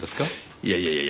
いやいやいやいや。